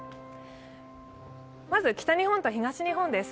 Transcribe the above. まず北日本と東日本です。